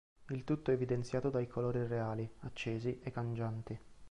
Il tutto è evidenziato dai colori irreali, accesi e cangianti.